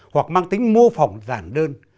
hoặc mang tính mô phỏng giản đơn